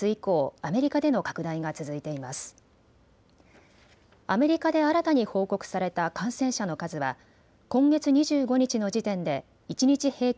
アメリカで新たに報告された感染者の数は今月２５日の時点で一日平均